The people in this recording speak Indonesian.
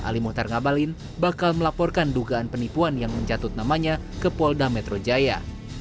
ali muhtar ngabalin bakal melaporkan dugaan penipuan yang mencatut namanya ke polda metro jaya